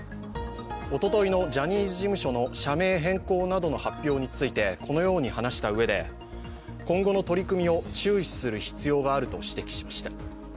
おとといのジャニーズ事務所の社名変更などの発表について、このように話したうえで今後の取り組みを注視する必要があると指摘しました。